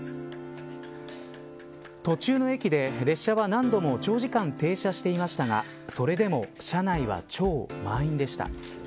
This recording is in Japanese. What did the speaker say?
途中の駅で列車は何度も長時間停車していましたがそれでも車内は超満員でした。